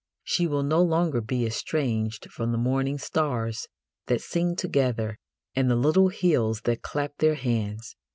She will no longer be estranged from the morning stars that sing together and the little hills that clap their hands.